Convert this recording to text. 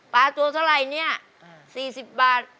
ปลาตั๊วเท่าไรเนี่ย๔๐บาท